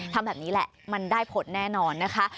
ทำแบบนี้แหละมันได้ผลแน่นอนนะคะ